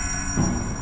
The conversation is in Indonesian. aku mau lihat